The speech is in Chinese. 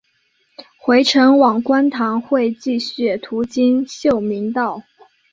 回程往观塘会继续途经秀明道。